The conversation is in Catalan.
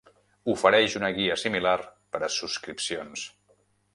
Ofereix una guia similar per a subscripcions.